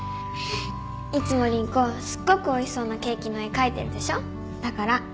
いつも凛子すっごくおいしそうなケーキの絵描いてるでしょ？だから